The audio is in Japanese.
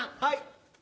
はい。